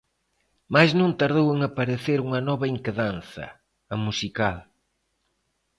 Mais non tardou en aparecer unha nova inquedanza: a musical.